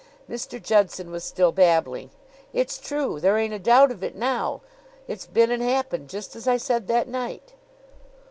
Mr. Judson was still babbling. "It's true. There ain't a doubt of it now. It's been and happened just as I said that night."